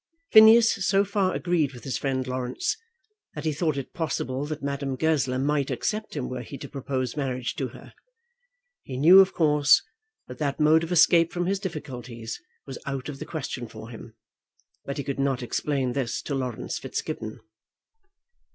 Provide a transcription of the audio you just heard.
Phineas so far agreed with his friend Laurence that he thought it possible that Madame Goesler might accept him were he to propose marriage to her. He knew, of course, that that mode of escape from his difficulties was out of the question for him, but he could not explain this to Laurence Fitzgibbon.